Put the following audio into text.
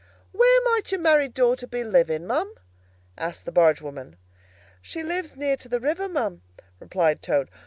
"Where might your married daughter be living, ma'am?" asked the barge woman. "She lives near to the river, ma'am," replied Toad.